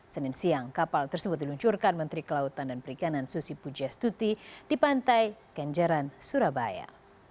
senin siang kapal tersebut diluncurkan menteri kelautan dan perikanan susi pujastuti di pantai kenjeran surabaya